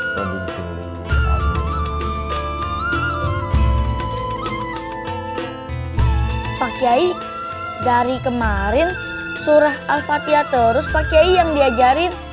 pak kiai dari kemarin surah al fatihah terus pak kiai yang diajarin